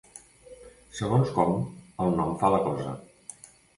Segons com, el nom fa la cosa.